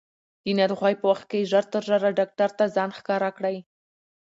د ناروغۍ په وخت کې ژر تر ژره ډاکټر ته ځان ښکاره کړئ.